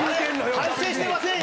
反省してませんよ。